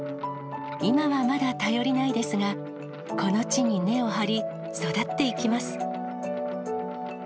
今はまだ頼りないですが、この地に根を張り、育っていきます。